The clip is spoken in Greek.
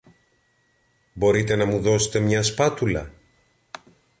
Μπορείτε να μου δώσετε μια σπάτουλα;